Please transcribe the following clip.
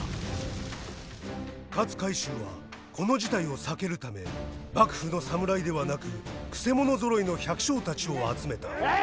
勝海舟はこの事態を避けるため幕府の侍ではなくくせ者ぞろいの百姓たちを集めた。